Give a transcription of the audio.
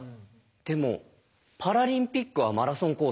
でもパラリンピックはマラソンコース